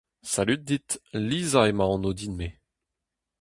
Salud dit, Liza eo ma anv din-me.